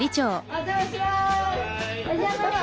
お邪魔します！